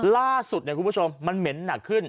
ล่าสุดคุณผู้ชมมันเหม็นหนักขึ้น